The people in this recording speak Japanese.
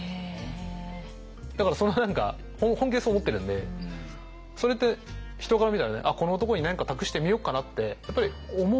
だからその何か本気でそう思ってるんでそれって人から見たらねこの男に何か託してみよっかなってやっぱり思う。